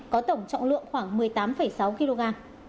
có tổng trọng lượng khoảng một mươi tám sáu kg